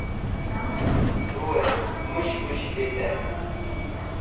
Tuet Mush Mush Vitey